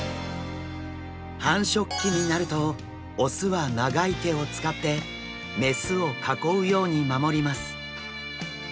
繁殖期になると雄は長い手を使って雌を囲うように守ります。